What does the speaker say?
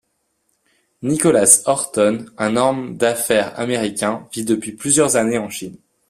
Nicholas Orton, un homme d'affaires américain, vit depuis plusieurs années en Chine.